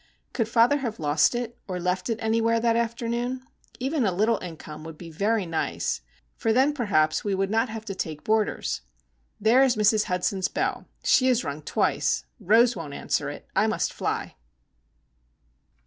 Could father have lost it, or left it anywhere that afternoon? Even a little income would be very nice,—for then perhaps we would not have to take boarders. There is Mrs. Hudson's bell! She has rung twice. Rose won't answer it. I must fly!